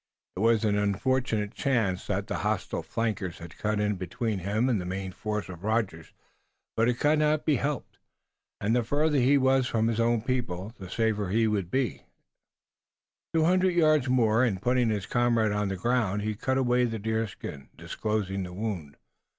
It was an unfortunate chance that the hostile flankers had cut in between him and the main force of Rogers, but it could not be helped, and the farther he was from his own people the safer would he and Tayoga be. Two hundred yards more and putting his comrade on the ground he cut away the deerskin, disclosing the wound.